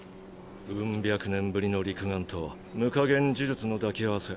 うん百年ぶりの六眼と無下限呪術の抱き合わせ。